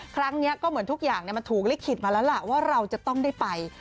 ครั้งนี้ก็เหมือนทุกอย่างมันถูกลิขิตมาแล้วล่ะว่าเราจะต้องได้ไป